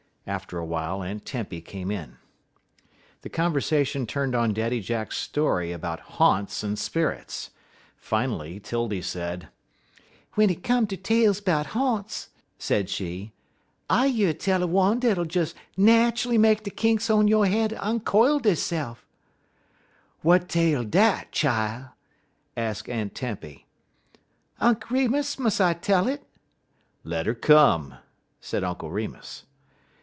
After a while Aunt Tempy came in. The conversation turned on Daddy Jack's story about "haunts" and spirits. Finally 'Tildy said: "W'en it come ter tales 'bout ha'nts," said she, "I year tell er one dat'll des nat'ally make de kinks on yo' head onquile deyse'f." "W'at tale dat, chile?" asked Aunt Tempy. "Unk' Remus, mus' I tell it?" "Let 'er come," said Uncle Remus.